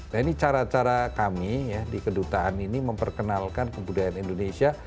nah ini cara cara kami ya di kedutaan ini memperkenalkan kebudayaan indonesia